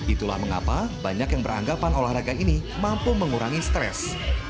itulah mengapa banyak yang beranggapan olahraga ini mampu mengurangi stres